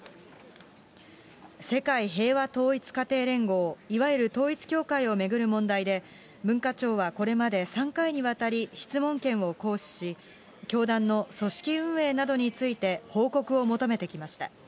世界平和統一家庭連合、いわゆる統一教会を巡る問題で、文化庁はこれまで３回にわたり、質問権を行使し、教団の組織運営などについて、報告を求めてきました。